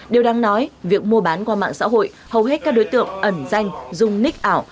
điều đáng nói việc mua bán qua mạng xã hội hầu hết các đối tượng ẩn danh dung ních ảo